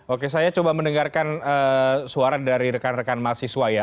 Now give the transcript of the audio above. oke saya coba mendengarkan suara dari rekan rekan mahasiswa ya